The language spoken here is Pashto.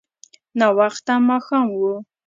ناوخته ماښام و.